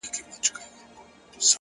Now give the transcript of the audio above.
نیک عمل تل اغېز پرېږدي,